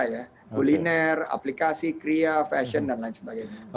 bikin kuliner aplikasi kriya fashion dan lain sebagainya